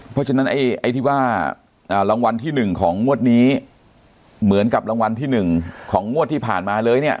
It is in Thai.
เพราะฉะนั้นไอ้ที่ว่ารางวัลที่๑ของงวดนี้เหมือนกับรางวัลที่๑ของงวดที่ผ่านมาเลยเนี่ย